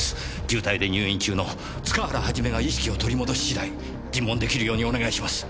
重体で入院中の塚原一が意識を取り戻し次第尋問出来るようにお願いします。